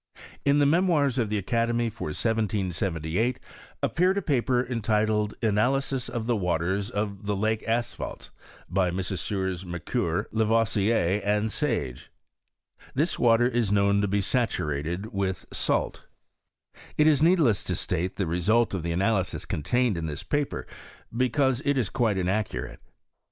In the Memoirs of the Academy, for 1778, BLppeared a paper entitled " Analysis of the Water* [>f the Lake Asphaltes, by Messrs. Macquer, La« 90 BISTORT OF CHEMiayRT. sier, and Sage." This water ia known to be satu rated with salt. It is needless to state the result of the analyi^is contained in this paper, because it Is quit£ inaccurate.